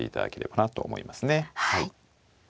はい。